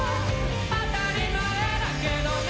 「当たり前だけどね」